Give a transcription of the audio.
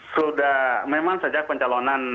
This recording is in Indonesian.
sudah memang sejak pencalonan